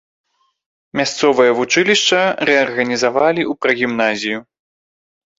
Мясцовае вучылішча рэарганізавалі ў прагімназію.